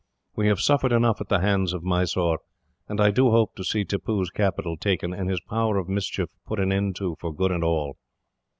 We have suffered enough at the hands of Mysore, and I do hope to see Tippoo's capital taken, and his power of mischief put an end to, for good and all."